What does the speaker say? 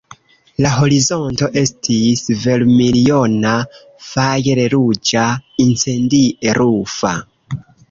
La horizonto estis vermiljona, fajre-ruĝa, incendie-rufa.